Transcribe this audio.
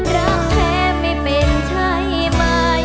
รักแท้ไม่เป็นใช่ไหม